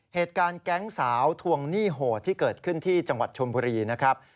เหตุการณ์แก๊งสาวทวงหนี้โหดที่เกิดขึ้นที่จังหวัดชมบุรีนะครับ